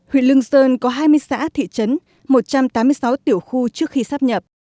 huyện lương sơn có hai mươi xã thị trấn một trăm tám mươi sáu tiểu khu trước khi sắp nhập